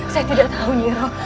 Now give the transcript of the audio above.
saya tidak tahu nyiro